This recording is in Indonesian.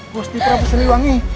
gusti prabu siliwangi